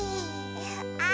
あ！